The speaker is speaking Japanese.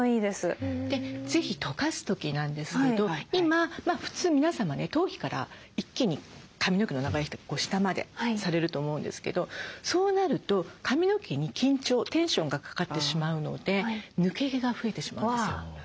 ぜひとかす時なんですけど今普通皆様ね頭皮から一気に髪の毛の長い人は下までされると思うんですけどそうなると髪の毛に緊張テンションがかかってしまうので抜け毛が増えてしまうんですよ。